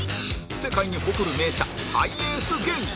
世界に誇る名車ハイエース芸人